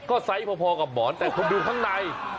ก็ไซส์พอกับหมอนแต่คุณดูข้างใน